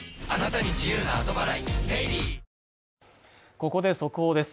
ここで速報です。